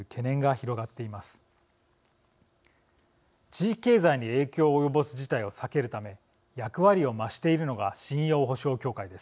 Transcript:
地域経済に影響を及ぼす事態を避けるため役割を増しているのが信用保証協会です。